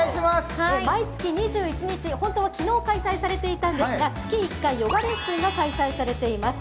毎月２１日、本当は昨日開催されていたんですが月１回、ヨガレッスンが開催されています。